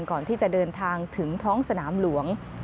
ก่อนที่จะเดินทางถึงท้องสนามหลวง